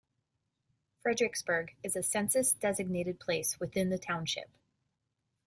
Fredericksburg is a census-designated place within the township.